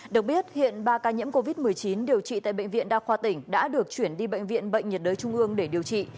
được biết hiện ba ca nhiễm covid một mươi chín điều trị tại bệnh viện đa khoa tỉnh đã được chuyển đi bệnh viện bệnh nhiệt đới trung ương để điều trị